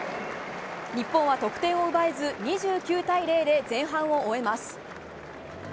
日本は得点を奪えず２９対０で前半を終えます。